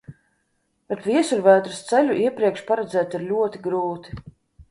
Bet viesuļvētras ceļu iepriekš paredzēt ir ļoti grūti.